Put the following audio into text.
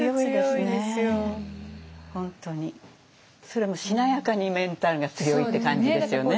それもしなやかにメンタルが強いって感じですよね。